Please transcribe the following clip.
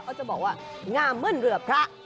เขาจะบอกว่างามมืดเรือพระ